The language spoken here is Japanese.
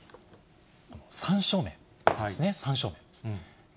三正面ですね、三正面です。